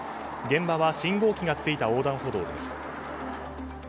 現場は信号機がついた横断歩道です。